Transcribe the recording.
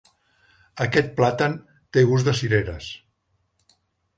Aquest plàtan té gust de cireres.